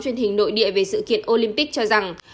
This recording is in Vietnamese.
truyền hình nội địa về sự kiện olympic cho rằng